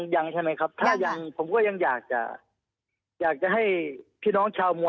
อย่างค่ะโอ